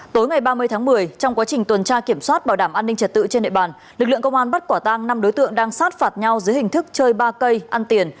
tối ngày ba mươi tháng một mươi trong quá trình tuần tra kiểm soát bảo đảm an ninh trật tự trên địa bàn lực lượng công an bắt quả tăng năm đối tượng đang sát phạt nhau dưới hình thức chơi ba cây ăn tiền